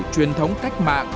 truyền thống cách mạng